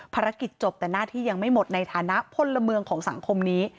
ภารกิจจบแต่หน้าที่ยังไม่หมดในฐานะพลเมืองของสังคมนี้